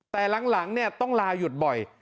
แต่หลังต้องลาหยุดบ่อย